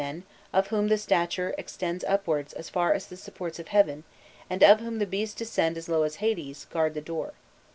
"The scorpion men, of whom the stature extends upwards as far as the supports of heaven, and of whom the breasts descend as low as Hades, guard the door.